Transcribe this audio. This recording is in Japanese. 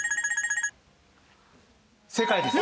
正解です。